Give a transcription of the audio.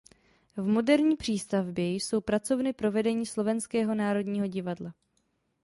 V moderní přístavbě jsou pracovny pro vedení Slovenského národního divadla.